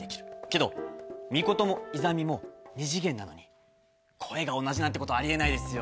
けどミコトもイザミも２次元なのに声が同じなんてことあり得ないですよ。